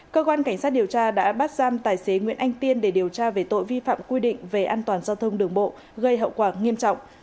cơ quan cảnh sát điều tra đã bắt giam tài xế nguyễn anh tiên để điều tra về tội vi phạm quy định về an toàn giao thông đường bộ gây hậu quả nghiêm trọng